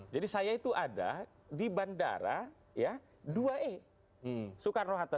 jadi saya itu ada di bandara ya dua e soekarno hatta